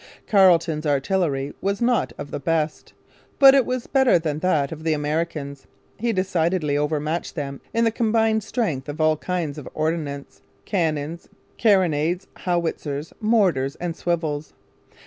Carleton's artillery was not of the best. But it was better than that of the Americans. He decidedly overmatched them in the combined strength of all kinds of ordnance cannons, carronades, howitzers, mortars, and swivels.